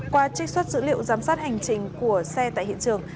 qua trích xuất dữ liệu giám sát hành trình của xe tại hiện trường